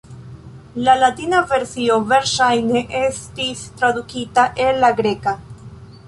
La latina versio verŝajne estis tradukita el la greka.